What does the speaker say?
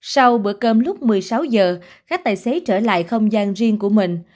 sau bữa cơm lúc một mươi sáu h khách tài xế trở lại không gian riêng của mình